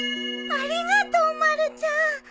ありがとうまるちゃん。